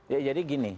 ya jadi gini